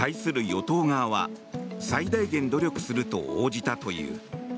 与党側は最大限努力すると応じたという。